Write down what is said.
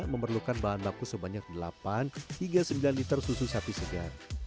memerlukan bahan baku sebanyak delapan hingga sembilan liter susu sapi segar